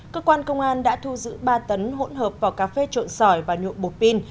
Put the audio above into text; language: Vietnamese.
cơ quan công an đã thu giữ ba tấn hỗn hợp vỏ cà phê trộn sỏi và nhuộm bột pin